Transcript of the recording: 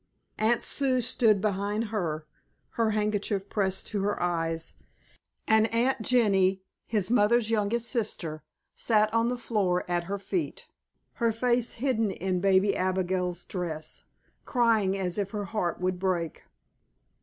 Aunt Sue stood behind her, her handkerchief pressed to her eyes, and Aunt Jenny, his mother's youngest sister, sat on the floor at her feet, her face hidden in baby Abigail's dress, crying as if her heart would break.